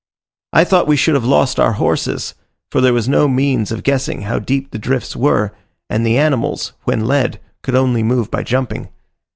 I thought we should have lost our horses; for there was no means of guessing how deep the drifts were, and the animals, when led, could only move by jumping.